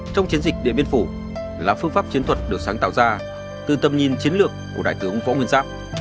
trong chiến dịch điện biên phủ là phương pháp chiến thuật được sáng tạo ra từ tầm nhìn chiến lược của đại tướng võ nguyên giáp